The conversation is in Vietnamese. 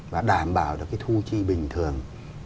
và đảm bảo được cái thu chi bình thường